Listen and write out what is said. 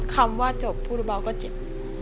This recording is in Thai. คำว่าจบผู้เบาก็เจ็บ